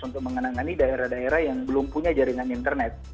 untuk mengenangani daerah daerah yang belum punya jaringan internet